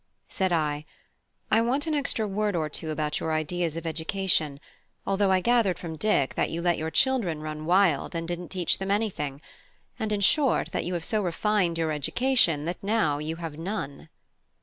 Said I: "I want an extra word or two about your ideas of education; although I gathered from Dick that you let your children run wild and didn't teach them anything; and in short, that you have so refined your education, that now you have none."